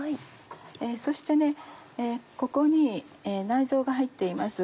そしてここに内臓が入っています。